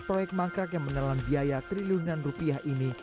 proyek mangkrak yang menelan biaya triliunan rupiah ini